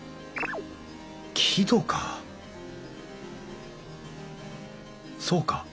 木戸かそうか！